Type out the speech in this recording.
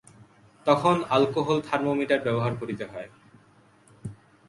তখন alcohol thermometer ব্যবহার করিতে হয়।